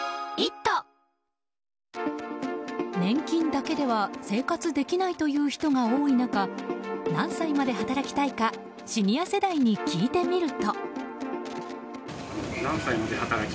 年金だけでは生活できないという人が多い中何歳まで働きたいかシニア世代に聞いてみると。